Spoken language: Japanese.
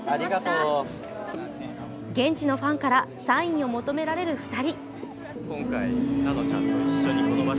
現地のファンからサインを求められる２人。